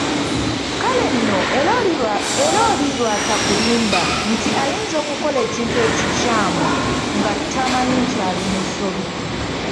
Kale nno era oli lw'atakulimba nti ayinza okukola ekintu ekikyamu nga tamanyi nti ali mu nsobi.